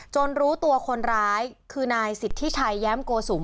รู้ตัวคนร้ายคือนายสิทธิชัยแย้มโกสุม